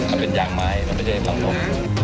มันเป็นอย่างไม้มันไม่ใช่ลำนก